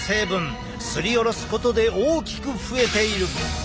すりおろすことで大きく増えている。